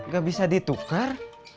gak bisa ditukar